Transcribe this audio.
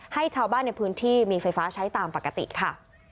ให้ชาวบ้านในพื้นที่มีไฟฟ้าใช้ตามปกติค่ะ